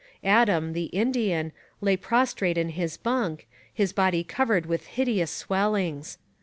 Adam, the Indian, lay prostrate in his bunk, his body covered with hideous swellings.